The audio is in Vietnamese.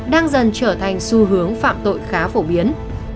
đang dần trở thành xu hướng phạm tội khá phổ biến